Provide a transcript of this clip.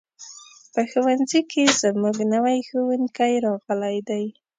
په ښوونځي کې زموږ نوی ښوونکی راغلی دی.